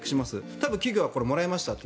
多分企業はこれをもらいましたと。